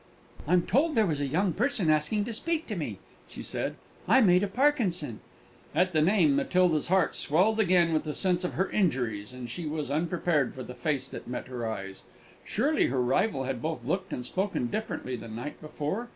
"I'm told there was a young person asking to speak to me," she said; "I'm Ada Parkinson." At the name, Matilda's heart swelled again with the sense of her injuries; and yet she was unprepared for the face that met her eyes. Surely her rival had both looked and spoken differently the night before?